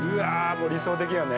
もう理想的やね。